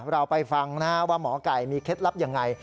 เราไปฟังว่าหมอไก่มีเคล็ดลับยังไง